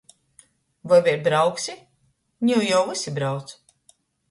Voi vēļ brauksi? Niu jau vysi brauc.